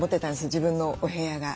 自分のお部屋が。